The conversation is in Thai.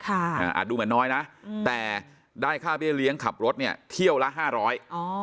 อาจดูเหมือนน้อยนะแต่ได้ค่าเบี้ยเลี้ยงขับรถเนี่ยเที่ยวละห้าร้อยอ๋อ